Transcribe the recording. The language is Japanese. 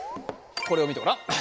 これを見てごらん。